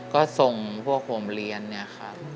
ก็ส่งพวกผมเรียนครับ